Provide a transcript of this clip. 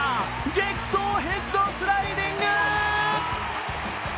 激走ヘッドスライディング。